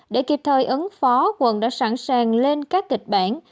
để kịp thời ứng phó quận đã sẵn sàng lên các kịch bản